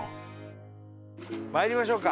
まいりましょうか。